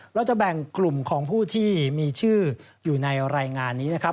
เราจะแบ่งกลุ่มของผู้ที่มีชื่ออยู่ในรายงานนี้นะครับ